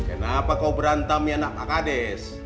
kenapa kau berantem ya nak pak kades